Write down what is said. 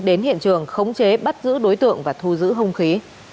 đến hiện trường khống chế bắt giữ đối tượng và thu giữ hung khí